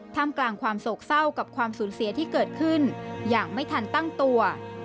ทำกลางความโศกเศร้ากับความสูญเสียที่เกิดขึ้นอย่างไม่ทันตั้งตัว